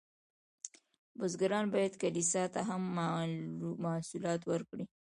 بزګران باید کلیسا ته هم محصولات ورکړي.